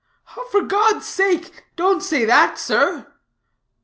"For God's sake, don't say that, sir!